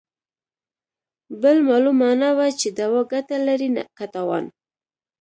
بل مالومه نه وه چې دوا ګته لري که تاوان.